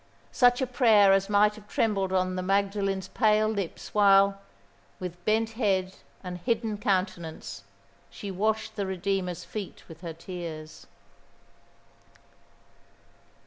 Such a prayer as might have trembled on the Magdalen's pale lips while, with bent head and hidden countenance, she washed the Redeemer's feet with her tears.